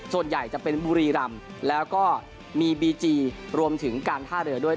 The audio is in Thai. ส่วนใหญ่จะเป็นบุรีรำแล้วก็มีบีจีรวมถึงการท่าเรือด้วย